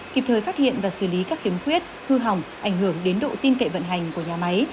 kịp thời phát hiện và xử lý các khiếm khuyết hư hỏng ảnh hưởng đến độ tin cậy vận hành của nhà máy